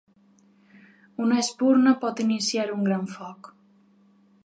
Una espurna pot iniciar un gran foc.